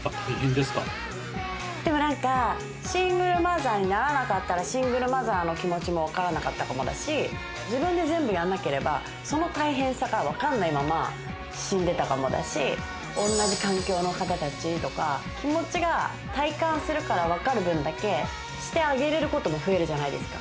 でもシングルマザーにならなかったら、シングルマザーの気持ちもわからなかったかもだし、自分で全部やんなければ、その大変さがわかんないまま死んでたかもだし、同じ環境の方たちとか気持ちが体感するから分かる分だけしてあげれることも増えるじゃないですか。